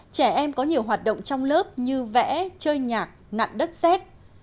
trẻ em có nhiều hoạt động trong lớp như vẽ chơi nhạc đất xét